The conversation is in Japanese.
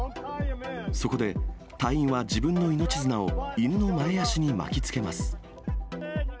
そこで、隊員は自分の命綱を犬の前足に巻きつけます。